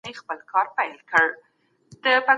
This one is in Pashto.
افغان ډاکټران د بهرنیو هیوادونو قانوني خوندیتوب نه لري.